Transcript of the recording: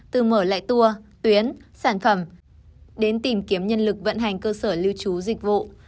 đại tua tuyến sản phẩm đến tìm kiếm nhân lực vận hành cơ sở lưu trú dịch vụ